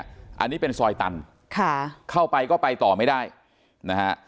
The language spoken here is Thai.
อันนี้เป็นซอยตันค่ะเข้าไปก็ไปต่อไม่ได้นะฮะ